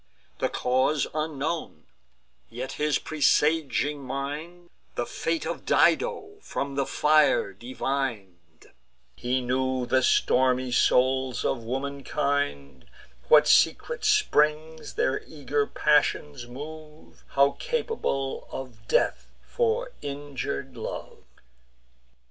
The cause unknown; yet his presaging mind The fate of Dido from the fire divin'd; He knew the stormy souls of womankind, What secret springs their eager passions move, How capable of death for injur'd love.